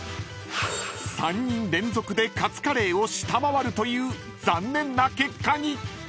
［３人連続でカツカレーを下回るという残念な結果に］